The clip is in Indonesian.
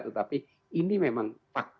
tetapi ini memang fakta